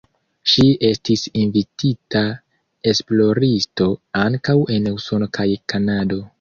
Ŝi estis invitita esploristo ankaŭ en Usono kaj Kanado.